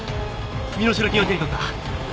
身代金を手に取った。